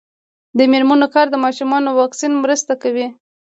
د میرمنو کار د ماشومانو واکسین مرسته کوي.